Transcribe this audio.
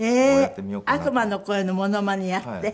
悪魔の声のモノマネやって。